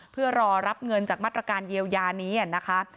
เพื่อรอรับเงินจากมาตรการเยียวยานี้นะคะ